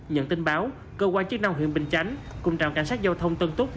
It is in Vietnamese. nhận tin báo cơ quan chức năng huyện bình chánh cùng trạm cảnh sát giao thông tân túc